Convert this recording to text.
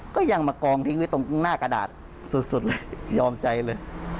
ก็ยังมากองทิ้งไว้ตรงหน้ากระดาษสุดเลยยอมใจเลย